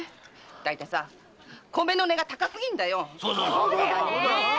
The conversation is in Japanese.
だいたいさ米の値が高すぎるんだよ！